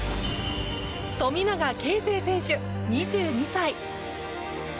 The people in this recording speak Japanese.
富永啓生選手、２２歳。